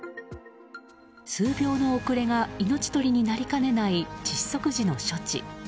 数秒の遅れが命取りになりかねない窒息時の処置。